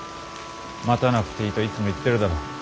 待たなくていいといつも言っているだろう？